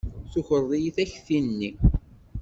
Tukreḍ-iyi takti-nni.